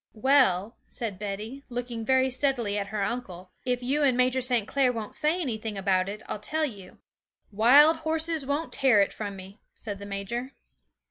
'Well,' said Betty, looking very steadily at her uncle, 'if you and Major St. Clair won't say anything about it, I'll tell you.' 'Wild horses won't tear it from me,' said the major.